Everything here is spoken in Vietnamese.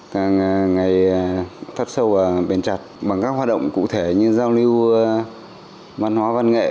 càng ngày thấu sâu và bền chặt bằng các hoạt động cụ thể như giao lưu văn hóa văn nghệ